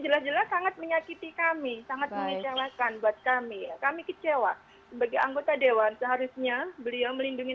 lebih untuk melindungi